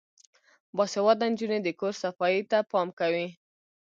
باسواده نجونې د کور صفايي ته پام کوي.